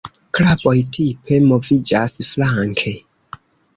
Kraboj tipe moviĝas flanke.